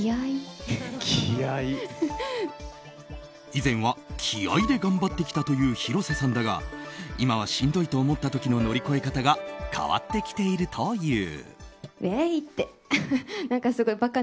以前は、気合で頑張ってきたという広瀬さんだが今はしんどいと思った時の乗り越え方が変わってきているという。